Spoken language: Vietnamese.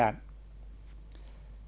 trên thực tế